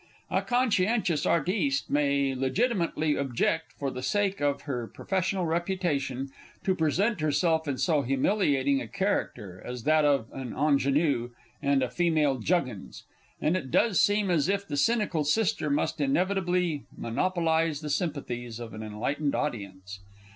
A conscientious artiste may legitimately object, for the sake of her professional reputation, to present herself in so humiliating a character as that of an ingénue, and a female "Juggins"; and it does seem as if the Cynical Sister must inevitably monopolise the sympathies of an enlightened audience.